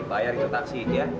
bayar itu taksi ya